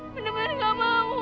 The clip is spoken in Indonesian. bener bener gak mau